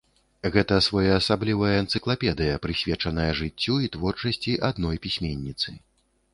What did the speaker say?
Гэта своеасаблівая энцыклапедыя, прысвечаная жыццю і творчасці адной пісьменніцы.